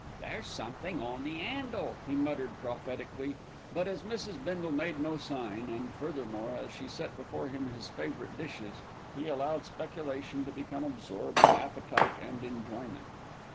"There's somethink on the 'andle," he muttered prophetically; but as Mrs. Bindle made no sign and, furthermore, as she set before him his favourite dishes, he allowed speculation to become absorbed in appetite and enjoyment.